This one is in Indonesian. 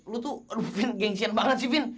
lo tuh aduh vin gengsian banget sih vin